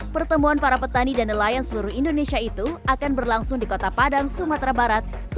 pertemuan para petani dan nelayan seluruh indonesia itu akan berlangsung di kota padang sumatera barat